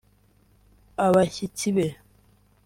abashyitsi be